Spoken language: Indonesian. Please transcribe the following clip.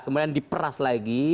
kemudian diperas lagi